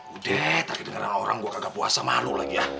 udah tadi denger orang orang gua kagak puasa malu lagi ya